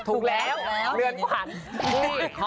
ถูกยังถูกแล้ว